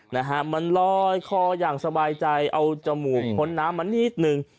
นะฮะมันลอยคออย่างสบายใจเอาจมูกพ้นน้ำมานิดนึง